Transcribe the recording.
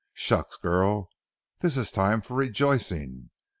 Shucks, girl, this is a time for rejoicing!